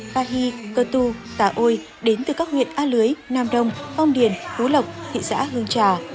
pahi cơ tu tà ôi đến từ các huyện a lưới nam đông phong điền hú lộc thị xã hương trà